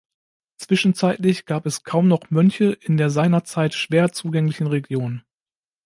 Zwischenzeitlich gab es kaum noch Mönche in der seinerzeit schwer zugänglichen Region.